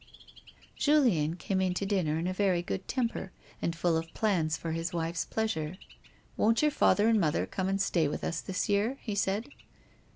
Julien came in to dinner in a very good temper and full of plans for his wife's pleasure. " AVoii't your father and mother come and stay with us this year 1 " he said.